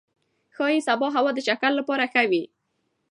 ښايي سبا هوا د چکر لپاره ښه وي.